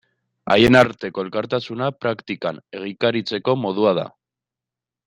Haien arteko elkartasuna praktikan egikaritzeko modua da.